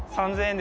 ３０００円？